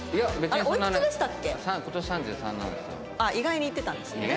あっ意外にいってたんですね。